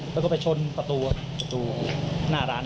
แล้วก็ไปชนประตูประตูหน้าร้านเลย